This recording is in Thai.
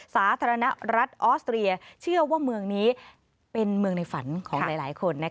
สาธารณรัฐออสเตรียเชื่อว่าเมืองนี้เป็นเมืองในฝันของหลายคน